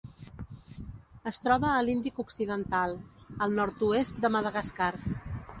Es troba a l'Índic occidental: el nord-oest de Madagascar.